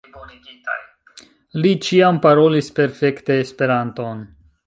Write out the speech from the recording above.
Li ĉiam parolis perfekte Esperanton.